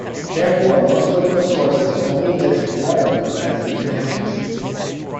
Therefore, most political sources only list Waterloo as the county seat.